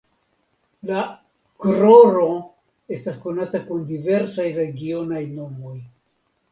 La "kroro" estas konata kun diversaj regionaj nomoj.